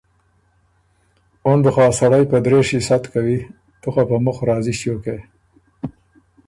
اُن بُو خه ا سړئ په درېشی ست کوی، تُو خه په مُخ راضی ݭیوک هې۔